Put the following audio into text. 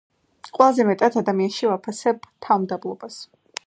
ყველაზე მეტად ადამიანში ვაფასებ თავმდაბლობას.